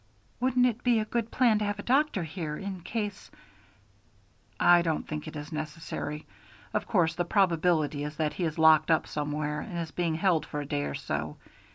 "Wouldn't it be a good plan to have a doctor here, in case " "I don't think it is necessary. Of course the probability is that he is locked up somewhere and is being held for a day or so.